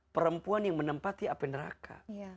perempuan yang menempati api neraka